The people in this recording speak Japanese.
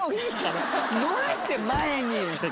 乗れって前に。